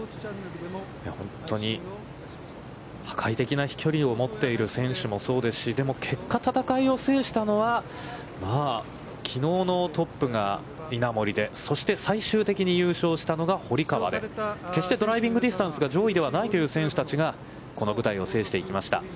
本当に破壊的な飛距離を持っている選手もそうですし、でも結果戦いを制したのは、きのうのトップが稲森で、そして最終的に優勝したのが堀川で、決してドライビングディスタンスが上位ではないという選手たちがこの舞台を制していきました。